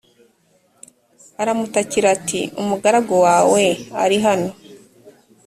aramutakira ati umugaragu wawe ari hano